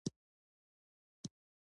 د باریم چارج به مثبت دوه وي.